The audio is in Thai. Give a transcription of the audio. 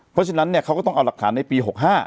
เพราะฉะนั้นเขาก็ต้องเอาหลักฐานในปี๖๕